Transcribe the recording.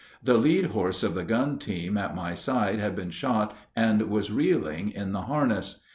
The lead horse of the gun team at my side had been shot and was reeling in the harness.